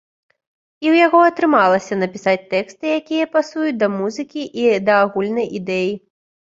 І ў яго атрымалася напісаць тэксты, якія пасуюць да музыкі і да агульнай ідэі.